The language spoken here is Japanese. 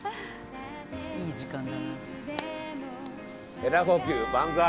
エラ呼吸万歳！